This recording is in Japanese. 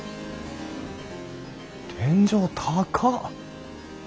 天井高っ！